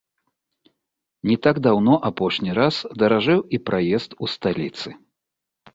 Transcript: Не так даўно апошні раз даражэў і праезд у сталіцы.